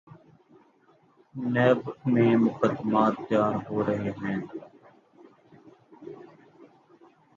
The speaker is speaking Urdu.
نیب میں مقدمات تیار ہو رہے ہیں۔